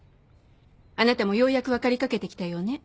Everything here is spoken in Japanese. あなたもようやく分かりかけてきたようね。